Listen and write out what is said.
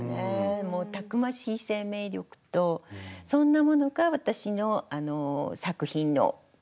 もうたくましい生命力とそんなものが私の作品の根源にもなっています。